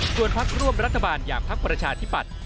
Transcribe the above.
ส่วนพักร่วมรัฐบาลอย่างพักประชาธิปัตย์